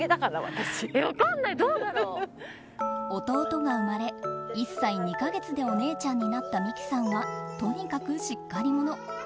弟が生まれ、１歳２か月でお姉ちゃんになった未姫さんはとにかくしっかり者。